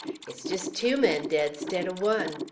It's jest tew men dead 'stead o' one.